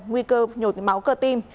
nguy cơ nhột máu cơ tim